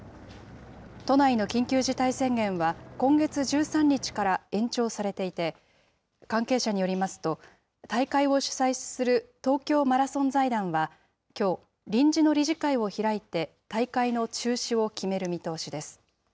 都内の緊急事態宣言は今月１３日から延長されていて、関係者によりますと、大会を主催する東京マラソン財団は、きょう、臨時の理事会を開いて、大会の中止を決める見通しです。